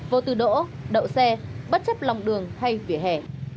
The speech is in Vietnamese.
vô từ đỗ đậu xe bất chấp lòng đường hay vỉa hè